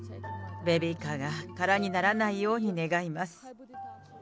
ベビーカーが空にならないように願います。